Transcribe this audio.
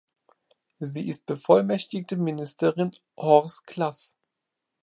Sie ist bevollmächtigte Ministerin „hors classe“.